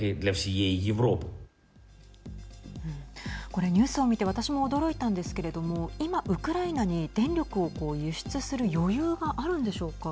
これニュースを見て私も驚いたんですけれども今、ウクライナに電力を、こう輸出する余裕があるんでしょうか。